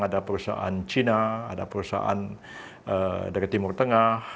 ada perusahaan cina ada perusahaan dari timur tengah